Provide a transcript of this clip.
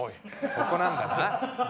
ここなんだな？